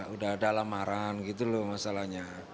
udah ada lamaran gitu loh masalahnya